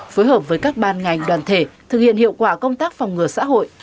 phối hợp với các ban ngành đoàn thể thực hiện hiệu quả công tác phòng ngừa xã hội